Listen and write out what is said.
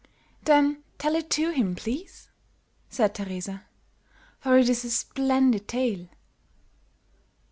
"Then tell it to him, please," said Teresa, "for it is a splendid tale."